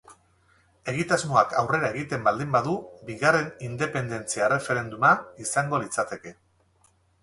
Egitasmoak aurrera egiten baldin badu, bigarren independentzia erreferenduma izango litzateke.